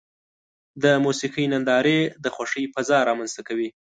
د موسیقۍ نندارې د خوښۍ فضا رامنځته کوي.